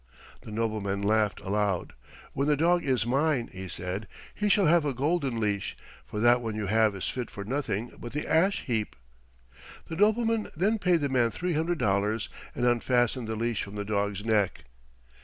The nobleman laughed aloud, "when the dog is mine," he said, "he shall have a golden leash, for that one you have is fit for nothing but the ash heap." The nobleman then paid the man three hundred dollars and unfastened the leash from the dog's neck.